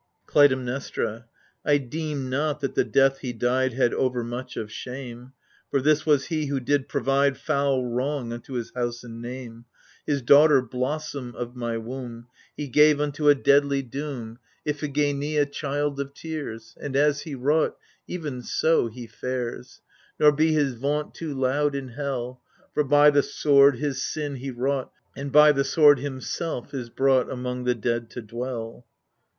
Clytemnestra I deem not that the death he died Had overmuch of shame : For this was he who did provide Foul wrong unto his house and name : His daughter, blossom of my womb, He gave unto a deadly doom, AGAMEMNON 71 Iphigenia, child of tears I And as he wrought, even so he fares. Nor be his vaunt too loud in hell ; For by the sword his sin he wrought, And by the sword himself is brought Among the dead to dwell.